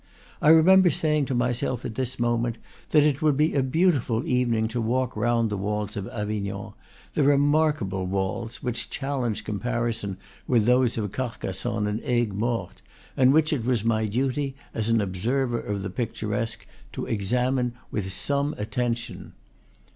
I remember saying to myself at this mo ment, that it would be a beautiful evening to walk round the walls of Avignon, the remarkable walls, which challenge comparison with those of Carcassonne and Aigues Mortes, and which it was my duty, as an observer of the picturesque, to examine with some at tention.